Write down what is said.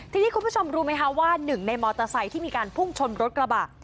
ทีนี้คุณผู้ชมรู้ไหมคะว่าหนึ่งในมอเตอร์ไซค์ที่มีการพุ่งชนรถกระบะ